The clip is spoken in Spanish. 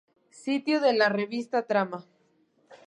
Sitio de la revista Trama